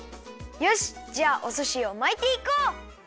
よしっじゃあおすしをまいていこう！